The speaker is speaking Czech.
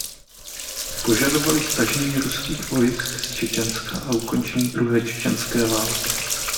Požadovali stažení ruských vojsk z Čečenska a ukončení druhé čečenské války.